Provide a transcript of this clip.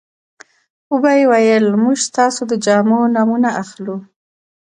وبه یې ویل موږ ستاسو د جامو نمونه اخلو.